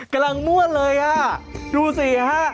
กำลังมั่วเลยฮะดูสิฮะ